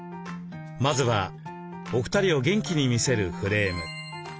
まずはお二人を元気に見せるフレーム。